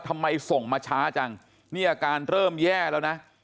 ทำไมส่งมาช้าจังนี่อาการเริ่มแย่แล้วนะ